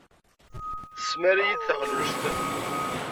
Tesmar-iyi-d taɣlust.